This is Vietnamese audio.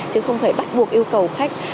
chứ không phải bắt buộc yêu cầu khách